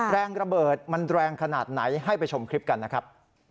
แรงระเบิดมันแรงขนาดไหนให้ไปชมคลิปกันนะครับ